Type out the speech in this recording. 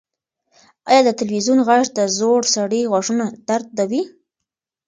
ایا د تلویزیون غږ د زوړ سړي غوږونه دردوي؟